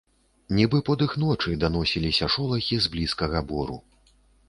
Нібы подых ночы, даносіліся шолахі з блізкага бору.